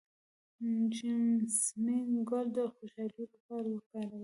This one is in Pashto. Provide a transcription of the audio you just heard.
د جیسمین ګل د خوشحالۍ لپاره وکاروئ